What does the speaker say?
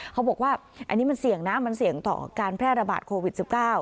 เขาบอกว่าอันนี้มันเสี่ยงนะมันเสี่ยงต่อการแพร่ระบาดโควิด๑๙